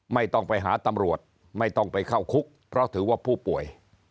ไม่ต้องไปหาตำรวจไม่ต้องไปเข้าคุกเพราะถือว่าผู้ป่วย